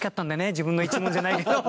自分の一門じゃないけど。